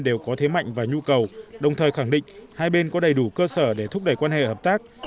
đều có thế mạnh và nhu cầu đồng thời khẳng định hai bên có đầy đủ cơ sở để thúc đẩy quan hệ hợp tác